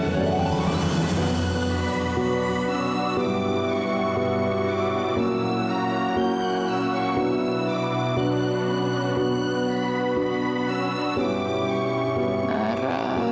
tapi kita juga perlu perhatikan jodohnya tayang